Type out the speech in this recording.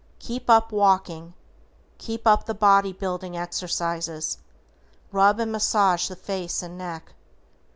KEEP UP WALKING. KEEP UP THE BODY BUILDING EXERCISES. RUB AND MASSAGE THE FACE AND NECK.